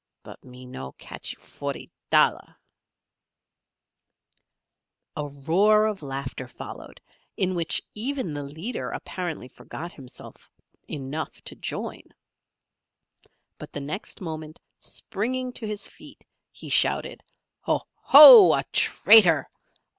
But me no catchee folty dolla!" A roar of laughter followed, in which even the leader apparently forgot himself enough to join. But the next moment springing to his feet, he shouted, "Ho! ho! A traitor!